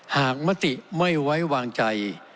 มติไม่ไว้วางใจ